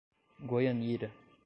Goianira